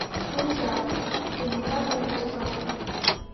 Онча: ӱмылка эре чаклана...